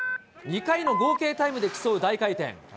２回の合計タイムで競う大回転。